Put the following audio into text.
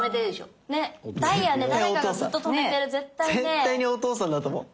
絶対にお父さんだと思う！